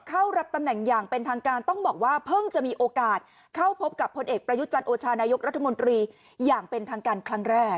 เข้ารับตำแหน่งอย่างเป็นทางการต้องบอกว่าเพิ่งจะมีโอกาสเข้าพบกับพลเอกประยุจันทร์โอชานายกรัฐมนตรีอย่างเป็นทางการครั้งแรก